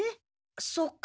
そっか。